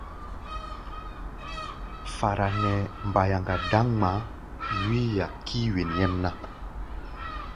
Fara nɛ mbayaŋa dáŋ ŋmaá, wíí-a kíí wen nyɛmná.